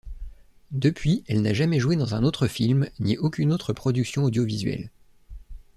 Depuis, elle n'a jamais joué dans un autre film ni aucune autre production audiovisuelle.